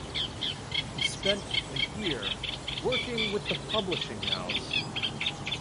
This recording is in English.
He spent the year working with the publishing house.